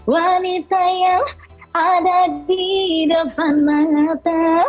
wanita yang ada di depan mata